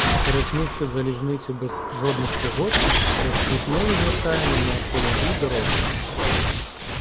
Перетнувши залізницю без жодних пригод, перед Цвітною звертаємо на польові дороги.